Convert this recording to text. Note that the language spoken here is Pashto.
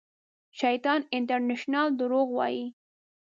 شیطان انټرنېشنل درواغ وایي